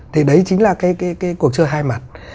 thì đấy chính là cái cuộc chơi hai mặt